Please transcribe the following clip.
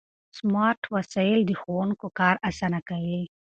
سمارټ وسایل د ښوونکو کار اسانه کوي.